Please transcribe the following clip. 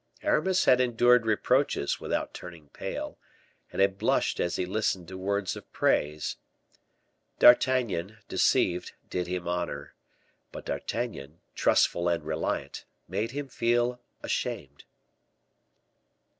Aramis had endured reproaches without turning pale, and had blushed as he listened to words of praise. D'Artagnan, deceived, did him honor; but D'Artagnan, trustful and reliant, made him feel ashamed.